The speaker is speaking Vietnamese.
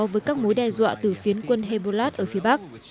với các mối đe dọa từ phiến quân hebolat ở phía bắc